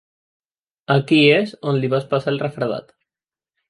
Aquí és on li vas passar el refredat.